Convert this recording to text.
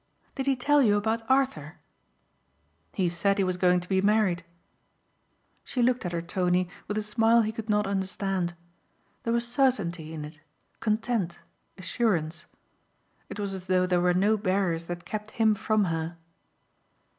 "Did he tell you about Arthur?" "He said he was going to be married." She looked at her Tony with a smile he could not understand. There was certainty in it content, assurance. It was as though there were no barriers that kept him from her.